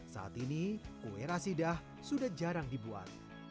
saat ini kue rasidah sudah jarang dibuat